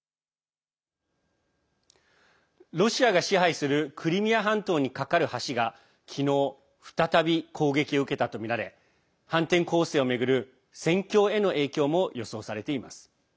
ロシアが支配するクリミア半島に架かる橋が昨日、再び攻撃を受けたとみられ反転攻勢を巡る戦況への影響も予想されています。